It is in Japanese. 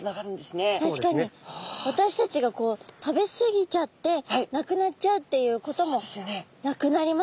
私たちがこう食べ過ぎちゃってなくなっちゃうっていうこともなくなりますもんね。